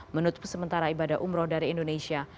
menutup sementara ibadah umroh dari indonesia